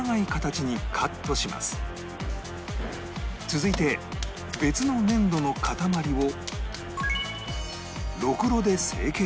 続いて別の粘土の塊を